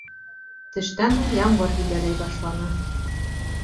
Төштән һуң ямғыр һибәләй башланы.